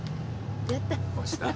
やった。